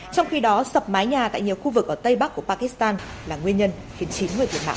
trong khi đó sập mái nhà tại nhiều khu vực ở tây bắc của pakistan là nguyên nhân khiến chín người thiệt mạng